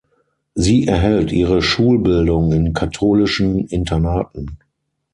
Sie erhält ihre Schulbildung in katholischen Internaten.